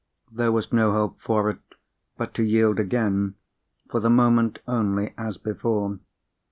There was no help for it but to yield again—for the moment only, as before.